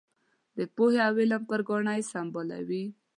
د پوهې او علم پر ګاڼه یې سمبالوي.